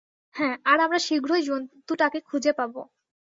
হ্যাঁ, আর আমরা শীঘ্রই জন্তুটাকে খুঁজে পাব।